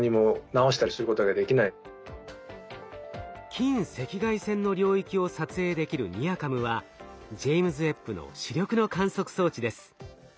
近赤外線の領域を撮影できるＮＩＲＣａｍはジェイムズ・ウェッブの主力の観測装置です。